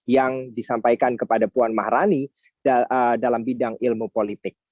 yang disampaikan kepada puan maharani dalam bidang ilmu politik